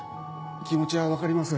気持ちは分かります。